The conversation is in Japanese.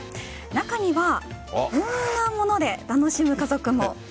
中にはこんなもので楽しむ家族も。